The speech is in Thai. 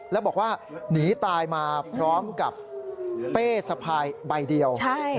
แล้วบอกว่าหนีตายมาพร้อมกับเป้สะพายใบเดียว